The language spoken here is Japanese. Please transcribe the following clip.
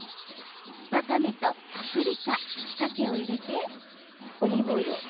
わかめとパプリカさけを入れて。